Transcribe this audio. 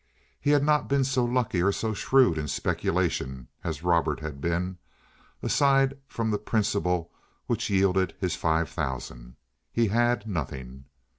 He had not been so lucky or so shrewd in speculation as Robert had been; aside from the principal which yielded his five thousand, he had nothing.